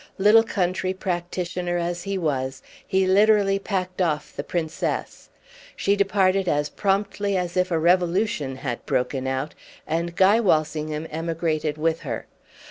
Little country practitioner as he was, he literally packed off the Princess. She departed as promptly as if a revolution had broken out, and Guy Walsingham emigrated with her.